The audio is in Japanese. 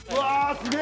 すげえ！